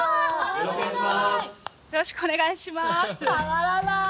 よろしくお願いします。